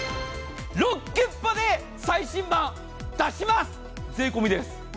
ロッキュッパで最新版、出します、税込みです。